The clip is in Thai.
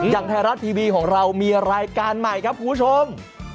อย่างไทยรัฐทีวีของเรามีรายการใหม่ครับคุณผู้ชม